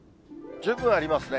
十分ありますね。